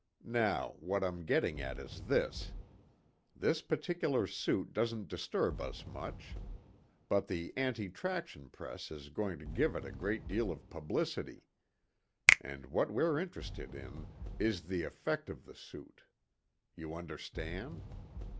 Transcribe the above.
Now what I'm getting at is this. This particular suit doesn't disturb us much. But the anti traction press is going to give it a great deal of publicity. And what we're interested in is the effect of the suit. You understand?